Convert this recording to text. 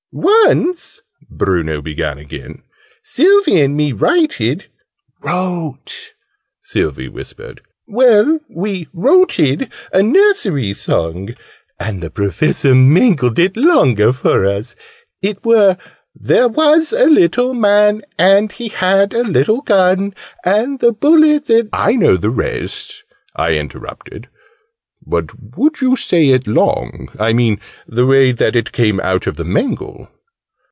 "Once," Bruno began again, "Sylvie and me writed " "Wrote!" Sylvie whispered. "Well, we wroted a Nursery Song, and the Professor mangled it longer for us. It were 'There was a little Man, And he had a little gun, And the bullets '" "I know the rest," I interrupted. "But would you say it long I mean the way that it came out of the mangle?"